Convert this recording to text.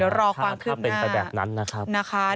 เดี๋ยวรอความคืบหน้าเป็นไปแบบนั้นนะครับ